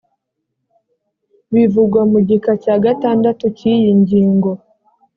bivugwa mu gika cya gatandatu cy’iyi ngingo